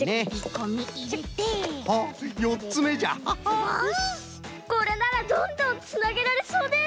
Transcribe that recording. これならどんどんつなげられそうです。